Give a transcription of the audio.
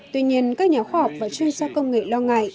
tuy nhiên các nhà khoa học và chuyên gia công nghệ lo ngại